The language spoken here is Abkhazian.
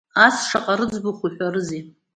Ас шаҟа рыӡбахә уҳәарызеи?